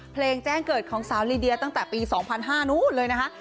แจ้งเกิดของสาวลีเดียตั้งแต่ปี๒๐๐นู้นเลยนะคะ